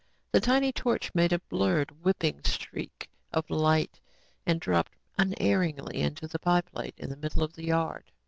The tiny torch made a blurred, whipping streak of light and dropped unerringly into the pie plate in the middle of the yard.